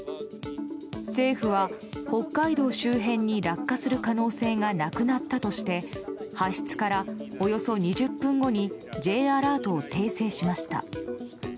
政府は、北海道周辺に落下する可能性がなくなったとして発出からおよそ２０分後にＪアラートを訂正しました。